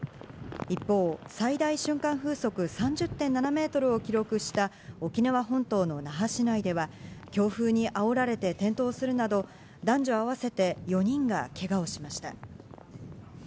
一方、最大瞬間風速３０．７メートルを記録した、沖縄本島の那覇市内では、強風にあおられて転倒するなど、男女合わせて４人がけがをしました。